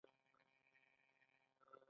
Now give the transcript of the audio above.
چیني له اکبرجان سره یو ځای د کور پر لور روان و.